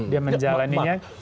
dia menjalannya dengan sangat